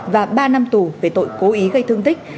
và ba năm tù về tội cố ý gây thương tích